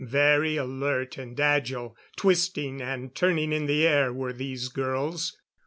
Very alert and agile, twisting and turning in the air were these girls.